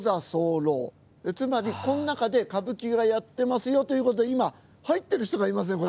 つまり「この中で歌舞伎がやってますよ」ということで今入ってる人がいますね